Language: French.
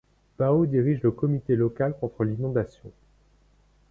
Bao dirige le comité local contre l'inondation.